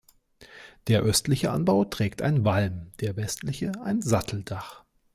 Der östliche Anbau trägt ein Walm-, der westliche ein Satteldach.